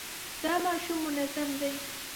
دا ماشوم منظم دی.